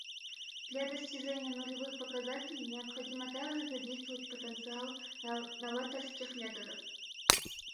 Для достижения нулевых показателей необходимо также задействовать потенциал новаторских методов.